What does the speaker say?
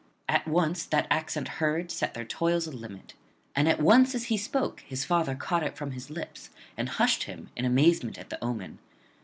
At once that accent heard set their toils a limit; and at once as he spoke his father caught it from his lips and hushed him, in amazement at the omen.